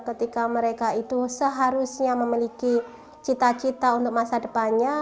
ketika mereka itu seharusnya memiliki cita cita untuk masa depannya